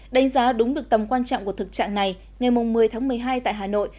đánh giá đúng được tầm quan trọng của thực trạng này ngày một mươi tháng một mươi hai tại hà nội